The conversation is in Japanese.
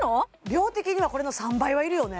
量的にはこれの３倍は要るよね